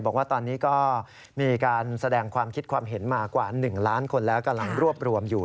บอกว่าตอนนี้ก็มีการแสดงความคิดความเห็นมากว่า๑ล้านคนแล้วกำลังรวบรวมอยู่